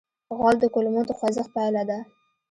غول د کولمو د خوځښت پایله ده.